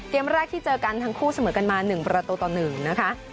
เกมแรกที่เจอกันทั้งคู่เสมอกันมา๑ประตูต่อ๑นะคะ